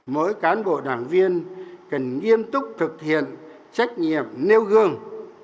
mỗi cán bộ đảng viên cần nghiêm túc thực hiện trách nhiệm nêu gương